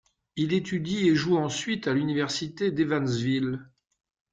Il étudie et joue ensuite à l'Université d'Evansville.